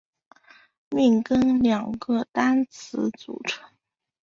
命根两个单字组成。